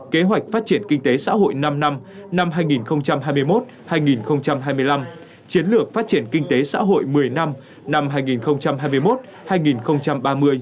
kế hoạch phát triển kinh tế xã hội năm năm năm năm hai nghìn hai mươi một hai nghìn hai mươi năm chiến lược phát triển kinh tế xã hội một mươi năm năm hai nghìn hai mươi một hai nghìn ba mươi